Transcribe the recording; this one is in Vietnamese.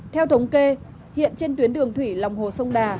theo thống kê hiện trên tuyến đường thủy lòng hồ sông đà